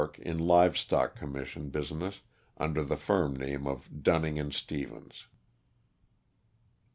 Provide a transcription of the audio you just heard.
in live stock commission business, under the firm name of Dun ning & Stevens.